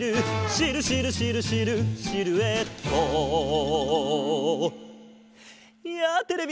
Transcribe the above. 「シルシルシルシルシルエット」やあテレビのまえのみんな！